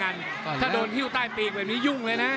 ถ้าโดนฮิ้วใต้ปีกแบบนี้ยุ่งเลยนะ